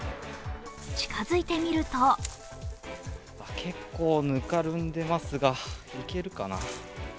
近づいてみると結構ぬかるんでますが、行けるかな。